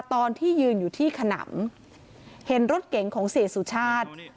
ตอนที่ยืนอยู่ที่ขนำเห็นรถเก๋งของเสียสุชาติ